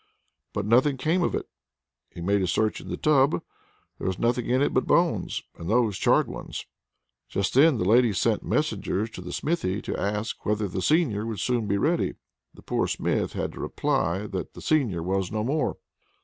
But nothing came of it. He made a search in the tub. There was nothing in it but bones, and those charred ones. Just then the lady sent messengers to the smithy, to ask whether the seigneur would soon be ready. The poor Smith had to reply that the seigneur was no more.